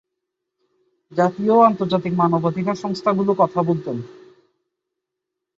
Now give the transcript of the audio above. জাতীয় ও আন্তর্জাতিক মানবাধিকার সংস্থাগুলো কথা বলতেন।